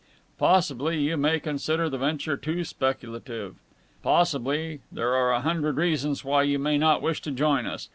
Possibly you may consider the venture too speculative. Possibly ... there are a hundred reasons why you may not wish to join us.